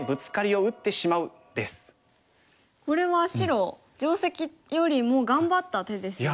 これは白定石よりも頑張った手ですよね。